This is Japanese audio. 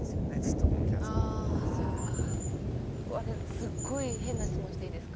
すっごい変な質問していいですか。